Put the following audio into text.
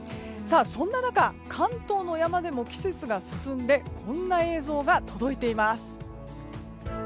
そんな中関東の山でも季節が進んでこんな映像が届いています。